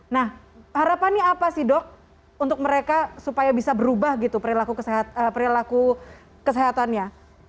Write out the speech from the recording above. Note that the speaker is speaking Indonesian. nah harapannya apa sih dok untuk mereka supaya bisa berubah gitu perilaku kesehatannya